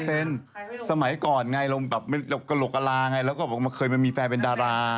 ที่สมัยก่อนเลยมีโลการาแล้วมันเคยมามีแฟนเป็นดารา